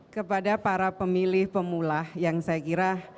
kepada para pemilih pemula yang saya kira